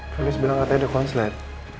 kalo ini sebenernya ada konslet